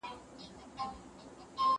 د لیکوالو په اړه رښتیني اسناد رابرسېره کړئ.